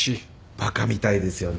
バカみたいですよね